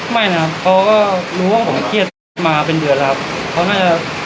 ไม่นะครับก็รู้ว่าผมเอามาเป็นเดือนอ่ะฮะเขา